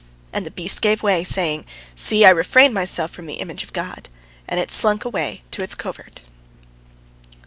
And the beast gave way, saying, "See, I refrain myself from the image of God," and it slunk away to its covert.